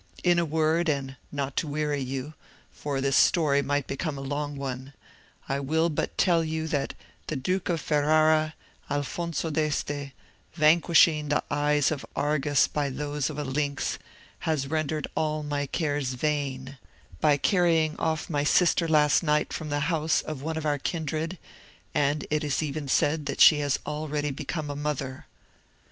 In a word, and not to weary you—for this story might become a long one,—I will but tell you, that the Duke of Ferrara, Alfonso d'Este, vanquishing the eyes of Argus by those of a lynx, has rendered all my cares vain, by carrying off my sister last night from the house of one of our kindred; and it is even said that she has already become a mother.